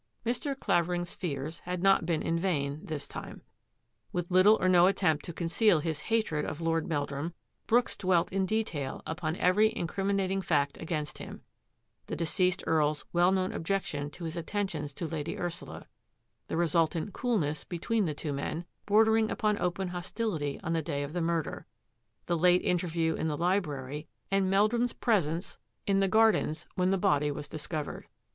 Mr. Clavering's fears had not been in vain this time. With little or no attempt to conceal his hatred of Lord Meldrum, Brooks dwelt in detail upon every incriminating fact against him : the de ceased Earl's well known objection to his atten tions to Lady Ursula; the resultant coolness be tween the two men, bordering upon open hostility on the day of the murder; the late interview in the library; and Meldrum's presence in the gar UNDER FIRE 198 dens when the body was discovered.